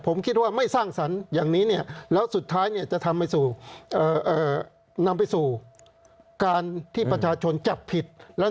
ผมคิดว่าไม่สร้างสรรค์อย่างนี้เนี่ยแล้วสุดท้ายเนี่ยจะทำให้สู่นำไปสู่การที่ประชาชนจับผิดแล้ว